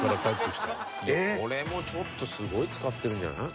これもちょっとすごい使ってるんじゃない？